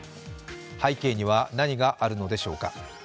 背景には何があるのでしょうか。